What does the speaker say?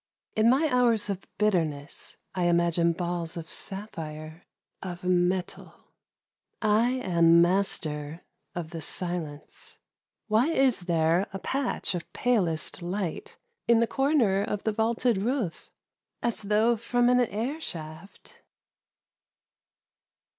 In my hours of bitterness I imagine balls of sapphire, of metal. I am master of the silence. Why is there a patch of palest light in the corner of the vaulted roof, as though from an air shaft